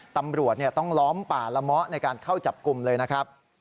ตำรวจต้องล้อมป่าละเมาะในการเข้าจับกลุ่มเลยนะครับ